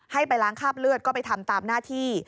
ให้ไปล้างคาบเลือดก็ไปทำตามหน้าที่